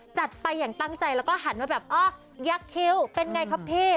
จัดไปอย่างตั้งใจแล้วก็หันมาแบบอ้าวยักษ์คิ้วเป็นไงครับพี่